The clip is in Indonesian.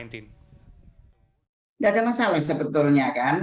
tidak ada masalah sebetulnya kan